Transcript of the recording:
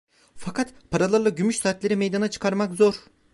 Fakat paralarla gümüş saatleri meydana çıkarmak zor…